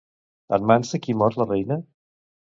En mans de qui mor la reina?